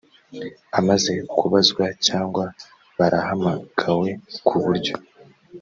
amaze kubazwa cyangwa barahamagawe ku buryo